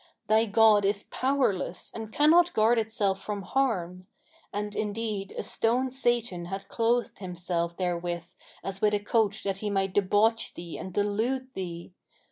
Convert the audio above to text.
Thy god is powerless and cannot guard itself from harm; and indeed a stoned Satan had clothed himself therewith as with a coat that he might debauch thee and delude thee.